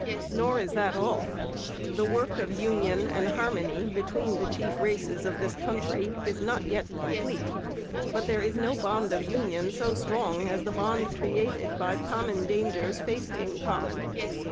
Nor is that all. The work of union and harmony between the chief races of this country is not yet complete.... But there is no bond of union so strong as the bond created by common dangers faced in common.